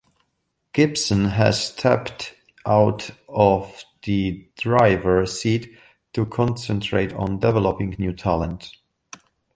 Gibson has stepped out of the driver seat to concentrate on developing new talent.